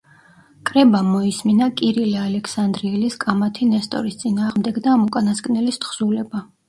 კრებამ მოისმინა კირილე ალექსანდრიელის კამათი ნესტორის წინააღმდეგ და ამ უკანასკნელის თხზულება.